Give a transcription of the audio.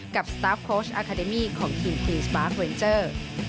กับสตาฟโค้ชอคาเดมี่ของทีมควินส์บาร์คเลนเจอร์